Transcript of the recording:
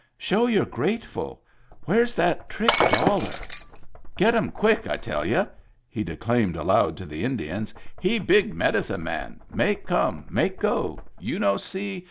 Show you're grateful. Where's that trick dollar ? Get 'em quick. — I tell you," he declaimed aloud to the Indians, " he big medicine man. Make come. Make go. You no see.